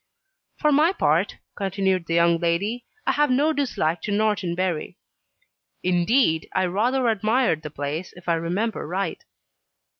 "For my part," continued the young lady, "I have no dislike to Norton Bury. Indeed, I rather admired the place, if I remember right."